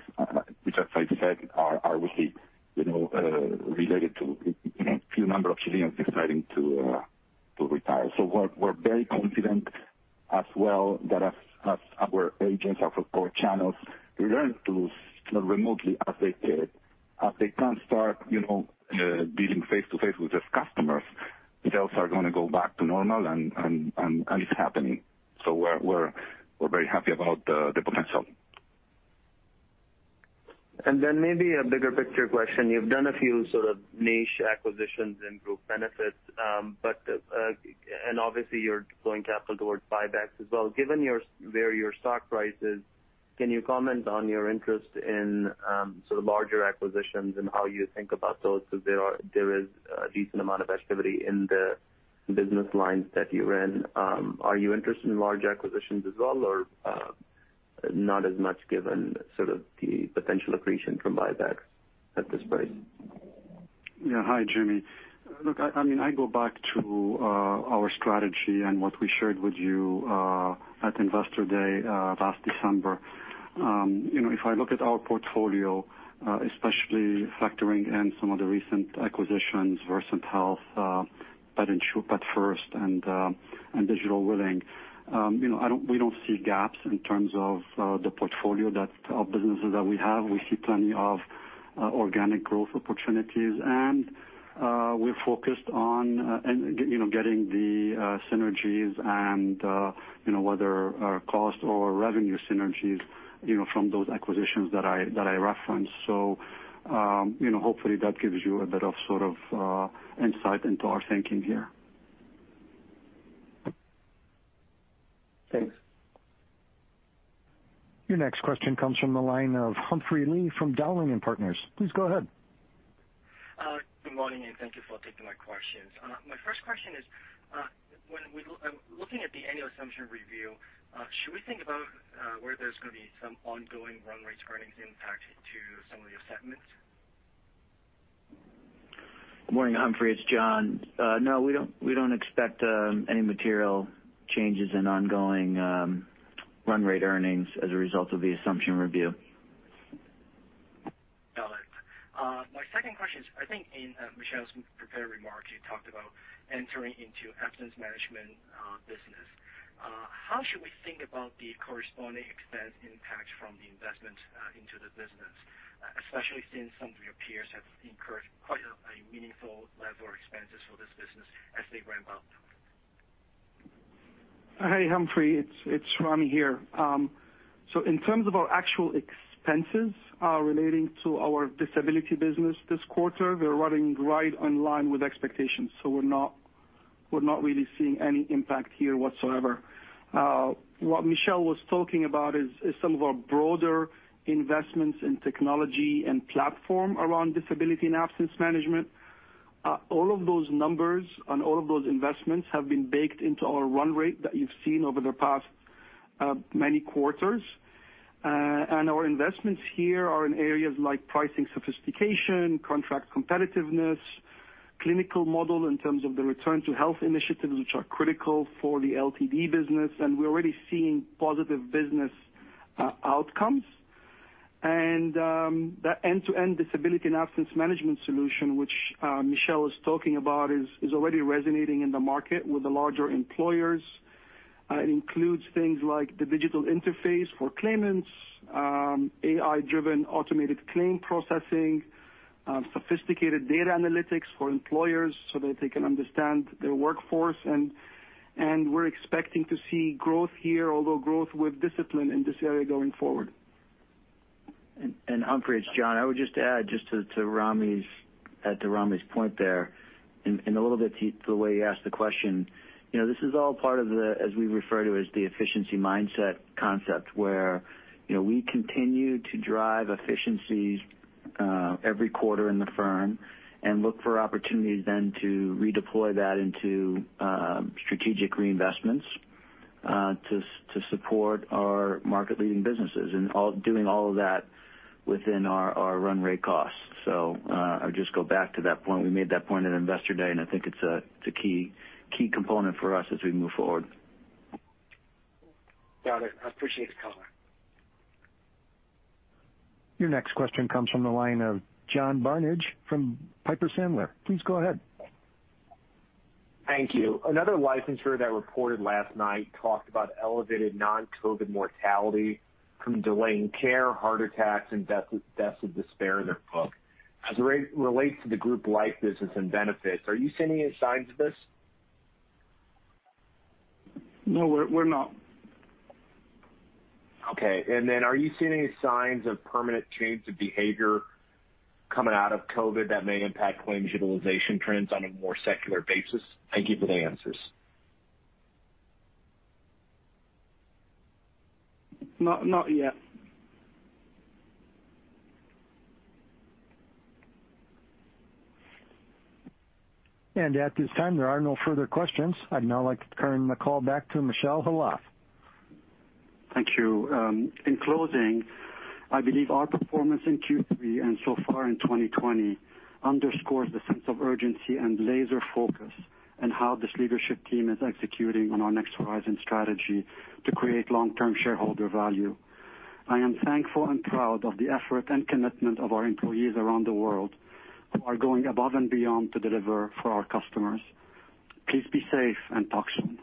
S15: which, as I said, are really related to a few number of Chileans deciding to retire. We are very confident as well that as our agents, our channels learn to lose remotely as they can start dealing face-to-face with their customers, sales are going to go back to normal, and it's happening. We are very happy about the potential.
S14: Maybe a bigger picture question. You've done a few sort of niche acquisitions in group benefits, and obviously, you're deploying capital towards buybacks as well. Given where your stock price is, can you comment on your interest in sort of larger acquisitions and how you think about those? There is a decent amount of activity in the business lines that you run. Are you interested in large acquisitions as well, or not as much given sort of the potential accretion from buybacks at this price?
S2: Yeah. Hi, Jimmy. Look, I mean, I go back to our strategy and what we shared with you at Investor Day last December. If I look at our portfolio, especially factoring in some of the recent acquisitions, Versant Health, Pet First, and Digital Willing, we do not see gaps in terms of the portfolio of businesses that we have. We see plenty of organic growth opportunities, and we are focused on getting the synergies and whether cost or revenue synergies from those acquisitions that I referenced. Hopefully, that gives you a bit of sort of insight into our thinking here.
S14: Thanks.
S1: Your next question comes from the line of Humphrey Lee from Dowling & Partners. Please go ahead.
S16: Good morning, and thank you for taking my questions. My first question is, when looking at the annual assumption review, should we think about whether there's going to be some ongoing run rate earnings impact to some of the assessments?
S4: Good morning, Humphrey. It's John. No, we don't expect any material changes in ongoing run rate earnings as a result of the assumption review.
S16: Got it. My second question is, I think in Michel's prepared remarks, you talked about entering into absence management business. How should we think about the corresponding expense impact from the investment into the business, especially since some of your peers have incurred quite a meaningful level of expenses for this business as they ramp up?
S6: Hi, Humphrey. It's Ramy here. In terms of our actual expenses relating to our disability business this quarter, they're running right in line with expectations. We're not really seeing any impact here whatsoever. What Michel was talking about is some of our broader investments in technology and platform around disability and absence management. All of those numbers and all of those investments have been baked into our run rate that you've seen over the past many quarters. Our investments here are in areas like pricing sophistication, contract competitiveness, clinical model in terms of the return to health initiatives, which are critical for the LTD business. We're already seeing positive business outcomes. That end-to-end disability and absence management solution, which Michel is talking about, is already resonating in the market with the larger employers. It includes things like the digital interface for claimants, AI-driven automated claim processing, sophisticated data analytics for employers so that they can understand their workforce. We are expecting to see growth here, although growth with discipline in this area going forward.
S4: Humphrey, it's John. I would just add just to Ramy's point there, in a little bit to the way you asked the question, this is all part of the, as we refer to it as the efficiency mindset concept, where we continue to drive efficiencies every quarter in the firm and look for opportunities then to redeploy that into strategic reinvestments to support our market-leading businesses, and doing all of that within our run rate costs. I will just go back to that point. We made that point at Investor Day, and I think it's a key component for us as we move forward.
S16: Got it. I appreciate the comment.
S1: Your next question comes from the line of John Barnidge from Piper Sandler. Please go ahead.
S17: Thank you. Another insurer that reported last night talked about elevated non-COVID mortality from delaying care, heart attacks, and deaths of despair in their book. As it relates to the group life business and benefits, are you seeing any signs of this?
S2: No, we're not.
S17: Okay. Are you seeing any signs of permanent change of behavior coming out of COVID that may impact claims utilization trends on a more secular basis? Thank you for the answers.
S2: Not yet. At this time, there are no further questions. I'd now like to turn the call back to Michel Khalaf.
S3: Thank you. In closing, I believe our performance in Q3 and so far in 2020 underscores the sense of urgency and laser focus in how this leadership team is executing on our next horizon strategy to create long-term shareholder value. I am thankful and proud of the effort and commitment of our employees around the world who are going above and beyond to deliver for our customers. Please be safe and talk soon.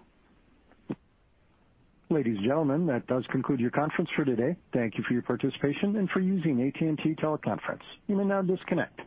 S1: Ladies and gentlemen, that does conclude your conference for today. Thank you for your participation and for using AT&T Teleconference. You may now disconnect.